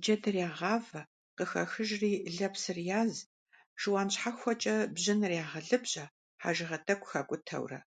Джэдыр ягъавэ къыхахыжри лэпсыр яз, шыуан щхьэхуэкӀэ бжьыныр ягъэлыбжьэ, хьэжыгъэ тӀэкӀу хакӀутэурэ.